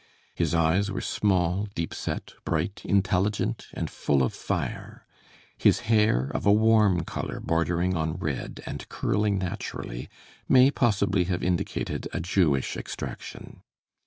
His eyes were small, deep set, bright, intelligent, and full of fire. His hair, of a warm color bordering on red and curling naturally, may possibly have indicated a Jewish extraction.